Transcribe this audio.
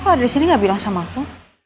kamu kok ada disini gak bilang sama aku